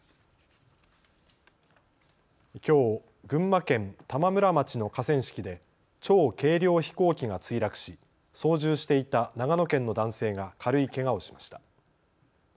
きょう群馬県玉村町の河川敷で超軽量飛行機が墜落し操縦していた長野県の男性が軽いけがをしました。